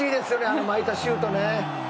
あの巻いたシュートね。